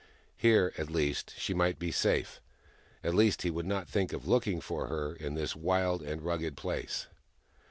Here, at least, she might be safe ; at least, he would not think of looking for her in this wild and rugged place.